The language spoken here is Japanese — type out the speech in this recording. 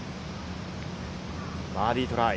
バーディートライ。